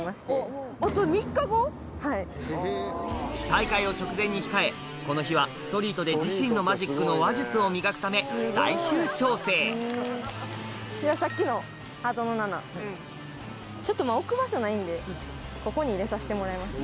大会を直前に控えこの日はストリートで自身のマジックの話術を磨くため最終調整置く場所ないんでここに入れさせてもらいます。